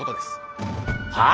はあ？